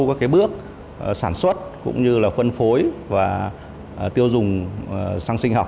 các cái bước sản xuất cũng như là phân phối và tiêu dùng săng sinh học